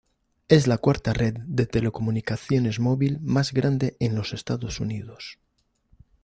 Es la cuarta red de telecomunicaciones móvil más grande en los Estados Unidos.